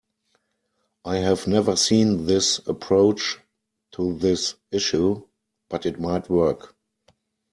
I have never seen this approach to this issue, but it might work.